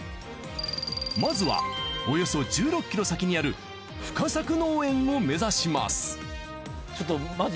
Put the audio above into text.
まずはおよそ１６ｋｍ先にある深作農園を目指します。